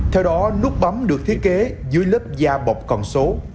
theo đó nút bấm được thiết kế dưới lớp da bộc còn số